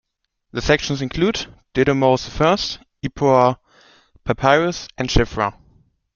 The sections include, Dedumose I, Ipuwer Papyrus and Shiphrah.